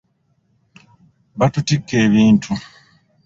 Batutikka ebintu.